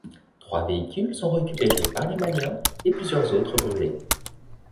Trois véhicules sont récupérés par les Maliens et plusieurs autres brûlés.